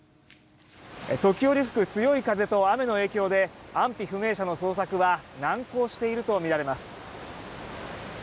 時折吹く強い風と雨の影響で安否不明者の捜索は難航しているとみられます。